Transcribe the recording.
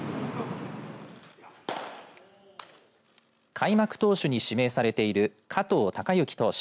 開幕投手に指名されている加藤貴之投手。